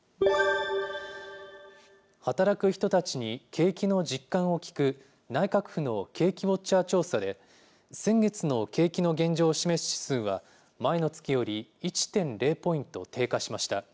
働く人たちに景気の実感を聞く内閣府の景気ウォッチャー調査で、先月の景気の現状を示す指数は前の月より１．０ポイント低下しました。